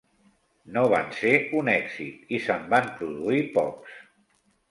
No van ser un èxit i se'n van produir pocs.